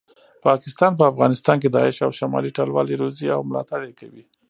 پاکستان په افغانستان کې داعش او شمالي ټلوالي روزي او ملاټړ یې کوي